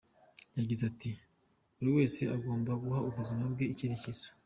Yagize ati “Buri wese agomba guha ubuzima bwe icyerekezo.